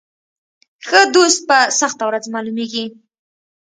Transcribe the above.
ښه دوست په سخته ورځ معلومیږي.